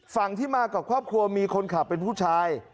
ฝั่งที่มากับครอบครัวมีคนขับเป็นผู้ชาย